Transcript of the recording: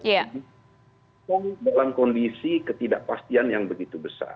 itu dalam kondisi ketidakpastian yang begitu besar